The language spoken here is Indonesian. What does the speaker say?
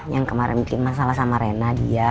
yang kemarin bikin masalah sama rena dia